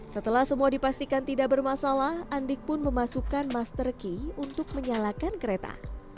setelah semua dipastikan tidak bermasalah andik pun memasukkan master key untuk menyalakan kereta